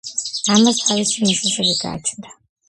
ამას თავისი მიზეზები გააჩნდა.